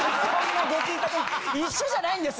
一緒じゃないんです。